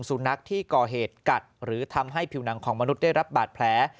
สุนัขที่ก่อเหตุกัดหรือทำให้ผิวหนังของมนุษย์ได้รับบาดแผล